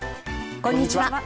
こんにちは。